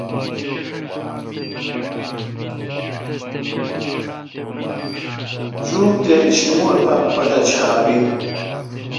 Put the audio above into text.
جوم تے شیمور اے پا پتہ ڄھار بیل۔